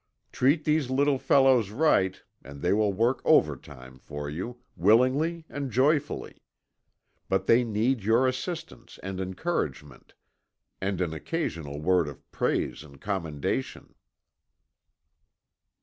Treat these little fellows right and they will work overtime for you, willingly and joyfully. But they need your assistance and encouragement, and an occasional word of praise and commendation.